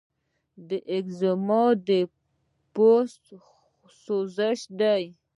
د ایکزیما د پوست سوزش دی.